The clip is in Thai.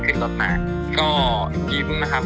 ประมาณ๒๐วินาทีครับตอนขึ้นรถมา